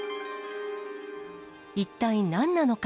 一体なんなのか。